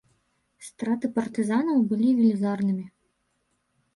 Страты партызанаў былі велізарнымі.